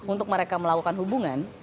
untuk mereka melakukan hubungan